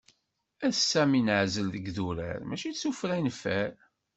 Ass-a mi neɛzel deg yidurar, mačči d tufra i neffer.